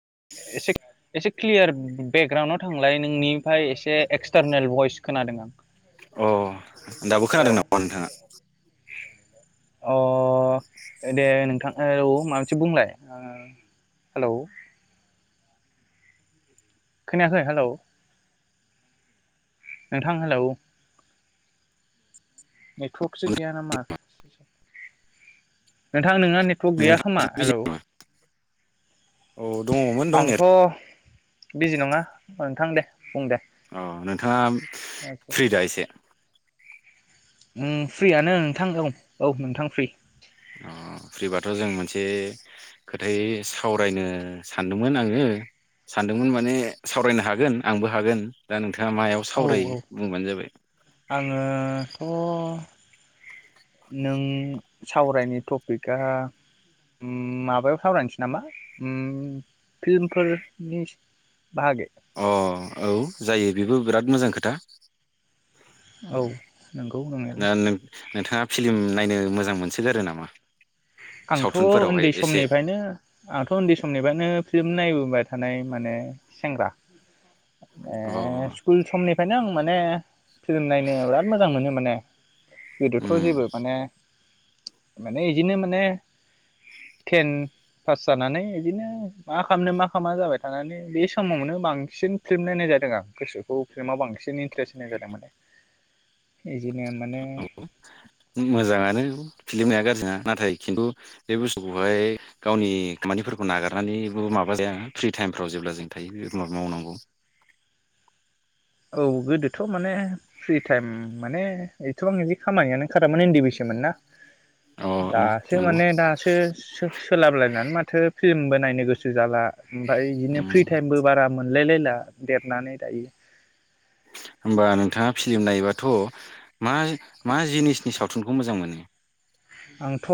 [unintelligible] Clear बेकग्राउन्डआव थांलाय नोंनिफ्राय एसे एक्सटारनेल भइस खोनादों आं। अ दाबो हेलौ खोनादों नामा नोंथाङा? अ दे नोंथां औ माबा मोनसे बुंलाय? खोनायाखै? हेलौ नोंथां हेलौ। [unintelligible] सो गैया नामा? नोंथां नोंना नेटवर्क गैया नोंथाङा खोमा? बिजि हेलौ। नामा औ दङमोन आंथ' दंनायाथ' बिजि नङा। थां दे बुं दे अ नोंथाङा फ्रि दा एसे? उम फ्रियानो नोंथां औ औ नोंथां फ्रि। अ फ्रिबाथ' जों मोनसे खोथायै सावरायनो सानदोंमोन आङो सानदोंमोन माने सावरायनो हागोन आंबो हागोन दा नों औ औ आङोथ' नों सावरायनाय टपिकआ उम माबायाव सावरायनोसै नामा उम फिल्मफोरनि बाहागै? अ औ जायो बेबो बिराद मोजां खोथा। औ नंगौ दा नंनायालाय। नों नोंथाङा फिलिम नायनो मोजां मोनसगोग आरो नामा? आंथ' सावथुनफोरावहाय उन्दै एसे समनिफ्रायनो आंथ' उन्दै समनिफ्रायनो फिल्म नायबोबाय थानाय माने सेंग्रा। अ ए स्कुल समनिफ्रायनो आं माने फिल्म नायनो बिराद मोजां मोनो माने गोदोथ' उम जेबो माने माने इदिनो माने टेन पास जानानै इदिनो मा खालामनो मा खालामा जाबाय थानानै बे समावनो बांसिन फिल्म नायनाय जादों आं गोसोखौ फिलिमाव बांसिन इन्टारेस्ट होनाय जादों माने। बिदिनो माने [unintelligible] मोजांङानो फिल्मि [unintelligible] जोंङा नाथाय खिन्थु बे बुस्थुखौहाय गावनि खामानिफोरखौ नागारनानैबो माबा जाया फ्रि टाइमफ्राव जेब्ला जों थायो बे मावनांगौ। औ गोदोथ' माने फ्रि टाइम माने एथ'बां इदि खामानियानो ओंखारामोन इन्दि बैसो मोनना अ दासो नंगौ माने दासो सोलाबलायनानै माथो फिल्मबो नायनो नो गोसो जाला ओमफाय बिदिनो फ्रि टाइमबो बारा मोन मोनलायलायला देरनानै दायो। होमबा नोंथांङा फिलिम नायोबाथ' मा मा जिनिसनि सावथुनखौ मोजां मोनो? आंथ'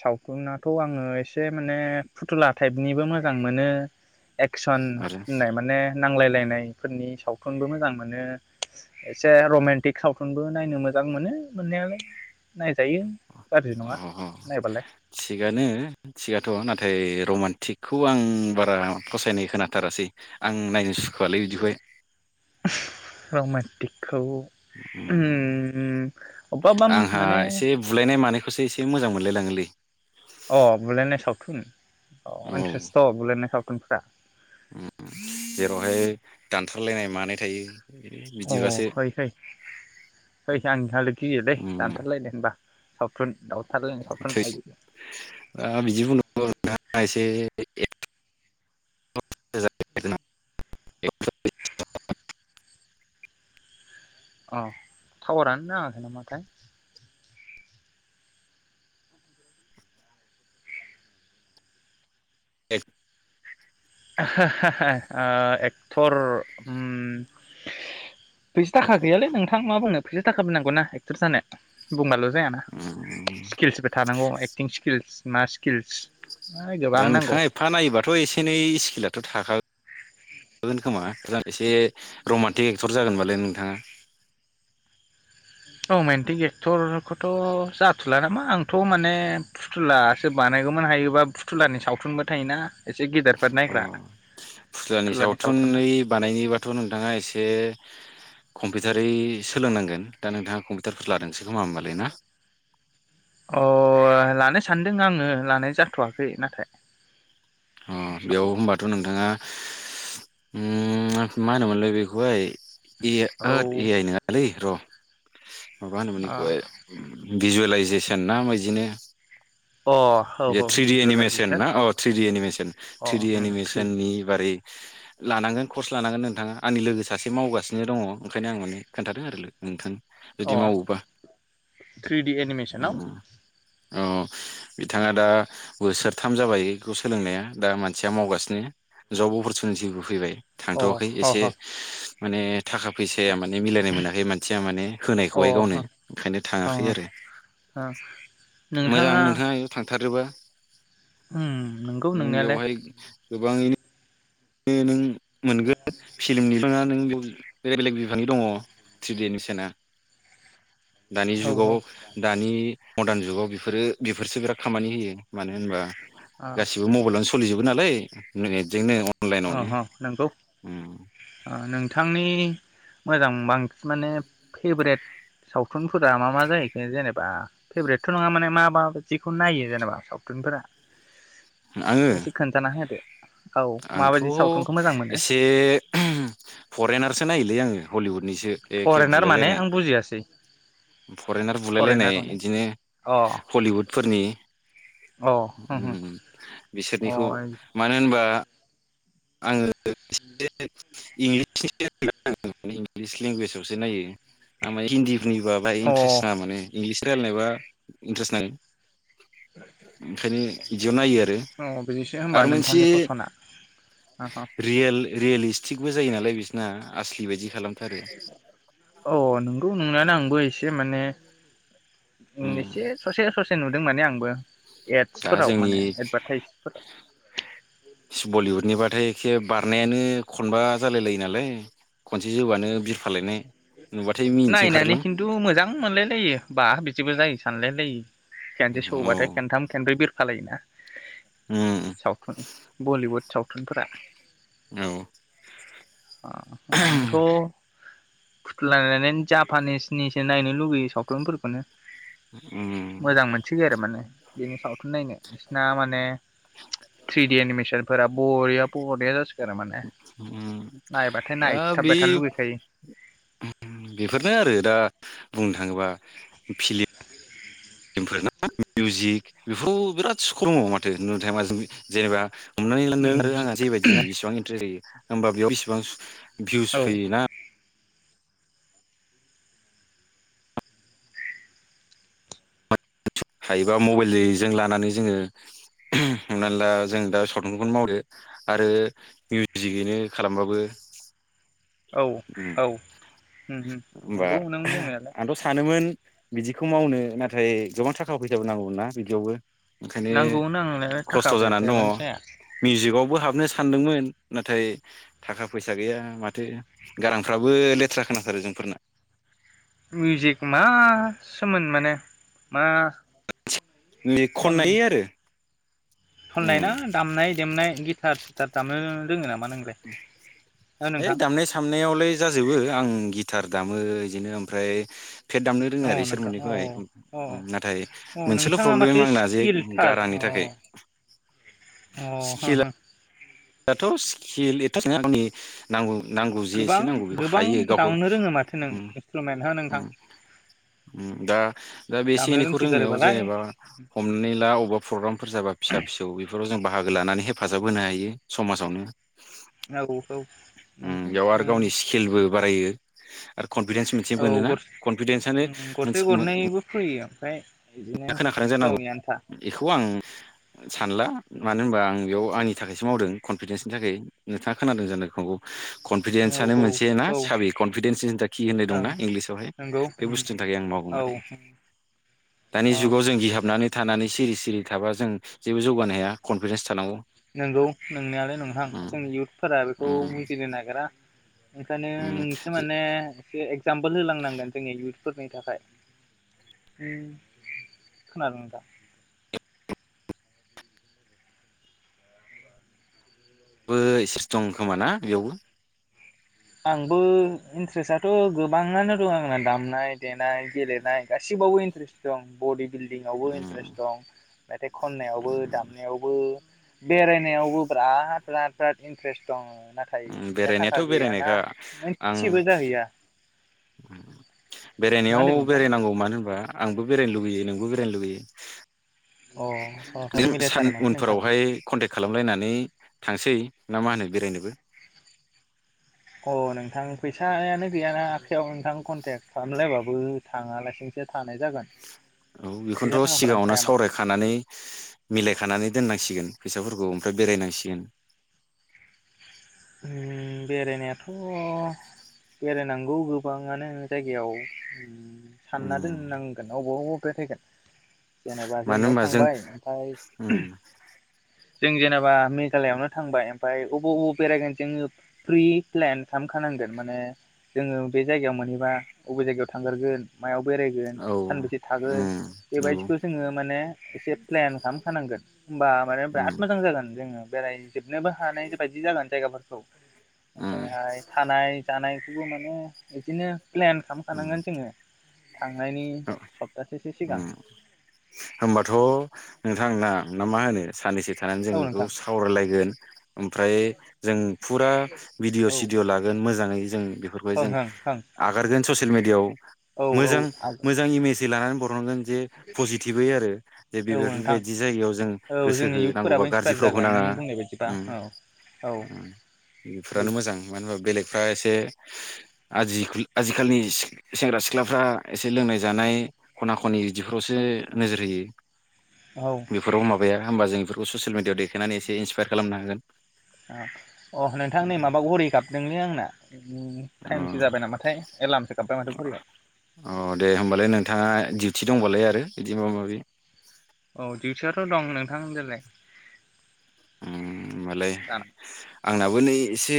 सावथनाथ' आंङो एसे माने फुथुला टाइपनिबो मोजां मोनो। एकसन आरो होननाय माने नांलायलायनायफोरनि सावथुनबो मोजां मोनो एसे रमान्टिक सावथुनबो नायनो मोजां मोनो मोननायालाय। नाय अह थिगानो थिगाथ' ना नाथाय रमान्टिकखौ आं बारा फसायनाय खोनाथारासै आं नायनो सुखुआलै बिदिखौहाय रमान्टिक खौ उम अबाब माने बेखौसो एसे मोजां मोनलायलांङोलै। अ बुलायनाय सावथुन अह इन्थ्रेस्थ बुलायनाय दुमफ्रा जेरावहाय दानथारलायनाय मानाय थायो। अ बिदिबासो फै फै फै आंनिहालो गियोलै दानथारलायद होनबा। सावथुन दावथारलायनाय सावथुन आयु थैस ओ [unintelligible] बेह अ टावारानो नांङाखै नामाथाय? ए ओ एक्टर उम फैसा थाखा गैयालै नोंथां मा बुंनो फैसा थाखा बो नांगौना एक्टर जानो बुंबाल' जायाना स्किल्सफोर थानांगौ। एक्टिं स्किल्स मा स्किल्स ओइ गोबां दा नांगौ नोंथांङा एफा नायोबाथ' एसे नै खिलाथ' थाखागोन खोमा दा एसे रमान्टिक एक्टर जागोनबालाय नोंथांङा रमान्टिक एक्टरखौथ' जाथुला नामा आंथ' माने फुथुलासो बानायगौमोन हायोबा फुथुलानि सावथुनबो थायोना एसे गेदेरफोर अ नायग्रा फुस्लानि फुथुलानि सावथुना सावथुनै बानायनोबाथ' नोंथांङा एसे कम्पिउटारै सोलोंनांगोन दा नोंथांङा कम्पिउटारफोर लादोंसो खोमा होमबालाय ना? अ लानो सानदों आंङो। लानाय जाथ'वाखै नाथाय। अ साव बेयाव होनबाथ' नोंथाङा। उम मा होनल बिखौहाय। ए औ ए आइ नङालै र'। माब होनोमोन अ बेखौहाय। भिजुवेलाइजेसन ना बिदिनो? औ बे औ थ्रिडि एनिमेसन भिजुवेलाइजेसन ना औ थ्रिडि एनिमेसन अ थ्रिडि उम थ्रि एनिमेसननि बारै लानांगोन। कर्स लानांगोन नोंथाङा आंनि लोगो सासे मावगासिनो दङ ओंखायनो आं माने खोनन्थादों आरो नोंथांनो। जुदि अ मावोबा थ्रिडि एनिमेसनाव उम औ। बिथाङा दा बोसोरथाम जाबाय बेखौ सोलोंनाया दा मानसिया मावगासिनो जब अपरसुनिटिबो फैबाय। अ थांथ'वाखै ह एसे ह माने थाखा फैसाया माने मिलायनाय मोनाखै मानसिया माने अ होनायखौहाय गावनो अ ओंखायनो थाङाखै आरो मोजां नोंथाङा नोंथाङा थारोबा उम नंगौ नों नोंनायालाय बेयावहाय गोबाङैनो ओ नों मोनगोन फिलिमनि नङा नों बेलेग बेलेग बिफांनि दङ ट्रिडि शएमिसना। दानि औ जुगाव औ दानि। मडार्न जुगाव बेफोरो बेफोरसो बिराद खामानि होयो मानो होनबा अ गासिबो मबाइलावनो स सोलिजोबो नालाय मिनिटजोंनो अ अ अ नंगौ ओ नं नोंथांनि मोजां बांसिन माने फेभारेट सावथुनफोरा मा मा जाहैखो जेनेबा फेभारेटथ' नङा माने मा माबायदिखौ नायो जेनेबा सावथुनफोरा? आङो एसे खोन्थाना होदो। औ आंथ' माबायदि सावथुनखौ मोजां मोनो एसे फरेनारसो नायोलै आङो। बलिउड निसो एखे फरेनार माने बुलायलायनाय आं बुजियासै फरेनार फरेनार बुलायलायनाय माने इदिनो अ हलिउदफोरनि अ होम होम उम बिसोरनिखौ अ मानो होनबा आंङो ओ खि दे दे। इंगलिस सिस्टेमाव इंग्लिस लेंगुवेज आवसो नायो आमाय हिन्दी निबो बाहाय अ इन्ट्रेस्ट नाङा माने। इंग्लिस रायलायनायबा इन्ट्रेस् नाङो। ओखायनो ज नायो आरो अ बिदिसो होमबा आरो नोंथांनि मोनसे फसना रियेल रियेलिस्टिकबो जायो नालाय बि ना आसलि बायदि खालामथारो अ नोंगौ नंनायानो आं बैसे माने ओं उम इसे ससे ससे नुद दों माने आंबो दा एडसफोराव जोंनि माने एडभार्टाइसफोराव बलिउडनिबाथाय एसे बारनायानो खनबा जालाय लायो नालाय खनसे जौआनो बिरफालायनाय नुबाथाय मिनिनोसो नायनानै ओंखारोलां खिन्थु मोजां मोनलाय लायो बा बिदिबो जायो सानलाय लायो खेनसे औ सौबाथाय खेनथाम खेनब्रै बिर खालायोना उम साउथुन बलिउड सावथुनफोरा औ आंथ फुथुला लानायानो जापानिसनिसो नायनो लुुबैयो सावथ्लुनफोरखौनो उम मोजां मोनसिनगौ आरो माने बेनि सावथुन नायनो बिसिना माने थ्रिडि एनिमेसन फोराब बरिया परिया जसिगार आरो माने उम नायबाथाय दा बे नायथाबबाय थानो लुगैखायो बेफोरनो आरो दा बुंनो थाङोबा फिलिप ओमफ्रार ना मिउजिक बेफोराव बिराद सक्र दङ माथो नुथाय माजों जेनेबा हमनानै लांदों आरो आंहा जेबायदिना बेसिबां इन्ट्रेस्ट होयो होमबा बेयाव बिसिबां भिउस औ फैयोना हायोबा मबाइलजों लानानै जोङो हमनानै ला जों दा सावुनखौनो मावदो आरो मिउजिकैनो खालामबाबो औ ओ औ ओमबा नंगौ नों बुंनायालाय आंथ सानोमोन बिदिखौ मावनो नाथाय गोबांथा थाखा फैसाबो नांगौ ना बिदियावबो ओंखायनो नांगौ नांनायालाय खस्थ थाखा फैसा जानानै दङ थायाबानो जाया मिउजिकआवबो हाबनो सानदोंमोन नाथाय थाखा फैसा गैया माथो गारांफ्राबो लेथ्रा खोनाथारो जोंफोरना मिउजिक मासोमोन माने मा लिग खन खननायै आरो खननाय उम ना दामनाय देमनाय गिटार सिटार दामो दोङो ना? ओइ दामनाय सामनायावलाय जाजोबो आं गिथार दामो बिदिनो ओमफ्राय फेट दामनो रोङो आरो अ इसोर नोंथां अ मोननैखौहाय अ नाथाय अ मोनसेल नोंथाङा प्रब्लेम माथो आंना जे स्किलथार अ गारांनि थाखाय अ हो स्किला हो दाथ स्किल एथ आंनि नांगौ नांगौ जे गोबां एसे नांगौ बेखौ गोबां हायो गावखौ दामनो रोङो माथो नों इन्सट्रुमेन्ट हो नोंथां दा दा बे एसे दामनो एनैखौ रोंनायाव रोंसोगारोबालाय जेनेबा हमनानै ला अबेबा प्रग्रामफोर जाबा फिसा फिसौ बेफोराव जों बाहागो लानानै हेफाजाब होनो हायो। समाजावनो औ औ ओ नोंगौ बेयाव आरो उम गावनि स्किलबो बारा बायो आरो कनफिदेन्स मोनसे औ मोनोना गरसे कनफिदेन्सआनो उम गरसे मोनसे गरनैबो फैयो ओमफ्राय बिदिनो खोनाखादों जानांगौ गावनि आन्था इखौ आं सानला मानो होनबा आं बेयाव आंनि थाखायसो मावदों कनफिदेन्सनि थाखाय नोंथाङा खोनादों जानो हागौ। कनफिडेन्सानो औ औ मोनसे ना औ साबि कनफिडेन्स इस खि होननाय दंना ओं इंलिसावहाय नंगौ बे उम बुस्थुनि थाखाय आं मावदों माने औ दानि अ जुगाव जों गिहाबनानै थानानैस सिरि सिरि थाबा जों जेबो जौगानो हाया कनफिडेन्स थानांगौ नंगौ नोंनायालाय नोंथां उम जों इयुथफोरा बेखौ उम बुजिनो नागिरा। ओंखायनो उम नोंसो माने एसे इक्जामपोल होलांनांगोन जोंनि इउथफोरनि थाखाय। ओम खोनादों दा? बो एसेस दं खोमा ना बेयावबो? आंबो इन्ट्रेस्टआथ' गोबाङानो दं आंना दामनाय देनाय गेलेनाय गासिबावबो इन्ट्रेस्ट दं बडि बिल्दिंआवबो उम इन्ट्रेस्ट दं मेथाइ खन्नायावबो दामनायावबो बेरायनायावबो बिराद बिराद बिराद इन्ट्रेस्ट दं। नाथाय फैसा थाखा गैया खा आं मा बेरायनायाव होनदों नोंथां बेरायनांगौ मानो होनबा आंबो बेरायनो लुुबैयो नोंबो बेरायनो लुुबैयो अ अ अ सान मिलायथारो माथो नोंथां उनफोरावहाय कन्टेक्ट खालामलायनानै थांसै ना मा होनो बेरायनोबो अ नोंथां फैसायानो गैयाना आखायाव नोंथां कन्टेक्ट खालामलायबाबो थाङालासेनोसो औ बेखौनोथ' थाखाफोरानो सिगाङावनो थाया माथो सावरायखानानै मिलायखानानै दोननांसिगोन फैसाफोरखौ आमफ्राय बेरायनांसिगोन। उम बेरायनायाथ' बेरायनांगौ गोबाङानो जायगायाव उम सानना उम दोननांगोन अबावा अब गय थगोन जेनेबा मानो जोंनियाव होनबा जों थांबाय ओमफ्राय उम जों जेनेबा मेघालयआवनो थांबाय ओमफ्राय अबाव-अबावबा बेरायगोन जोङो फ्रि प्लेन खालामखानांगोन माने जोङो बे जायगायाव मोनहैबा अबे जायगायाव थांगोरगोन मायाव बेरायगोन औ सानबेसे थागोन उम नंगौ बेबायदिखौ जोङो माने एसे प्लेन खालामखानांगोन होमबा माने उम बिराद मोजां जागोन जोङो बेरायनो जोबनोबो हानाय बायदि जागोन जायगाफोरखौ उम ओमफ्रायहाय थानाय जानाय माने एदिनो प्लेन उम खालामखानांगोन जोङो थांनायनि स ओम होनबाथ' नोंथांना ना मा होनो सानैसो थानानै जों औ बेखौ नोंथां सावरायलायगोन ओमफ्राय जों फुरा भिडिअ' औ सिडिय' लागोन मोजां मोजाङै जों बेफोरखौ ओं जों ओं आगारगोन ससियेल मिडियाआव औ मोजां औ मोजां इमेज लानानै बर जे पजिटिभयै आरो बे औ नोंथां बेफोरबादि जायगायाव जों औ जोंनि गोसोहो नांगौबा इयुथफोराबो गाज्रि इन्सपायार फोराव जागोन नों होनांआ बुंनाय बायदिबा उम‌ औ औ उम बेफोरानो मोजां मानो होमबा बेलेगफ्रा एसे आजिखालिनि सेंग्रा सिख्लाफ्रा एसे लोंनाय जानाय खना खनि बिदिफोरावसो नोजोर होयो औ बेफोराव माबाया होमबा जों बेफोर बे ससियेल मिडिआव देखनानै इसे इन्सपायार खालामनो हागोन अ अ नोंथां नै माबा घरि गाबदोंलै आंना अ टाइमसो जाबाय नामाथाय एलार्मसो गाबबाय माथो घरियाव अ दे होमबालाय नोंथाङा डिउटि दंबालाय बिदि माबा माबि औ दिउथियावथ' दं नोंथां देलाय ओम होनोबालाय दान आंनाबो नै एसे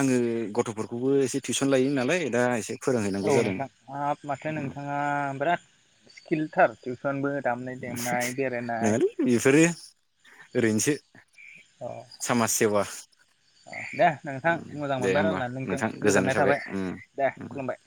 आङो गथ'फोरखौबो एसे टिउसन लायो नालाय दा एसे औ फोरोंहैनांगौ जादों नोंथां हाब माथो नोंथाङा बिराद स्किलथार टिउसनबो दामनाय देनाय बेरायनाय नङालै बेफोरो ओरैनोसो औ समाज सेवा औ दे नोंथां मोजां दे मोनबाय होमबा राइलायनानै नोंजों नोंथां गोजोननाय थाबाय दे खुलुमबाय ।